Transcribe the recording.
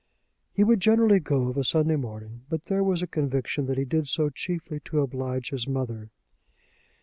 He would generally go of a Sunday morning; but there was a conviction that he did so chiefly to oblige his mother.